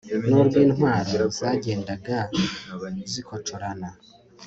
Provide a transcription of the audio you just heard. n'urw'intwaro zagendaga zikocorana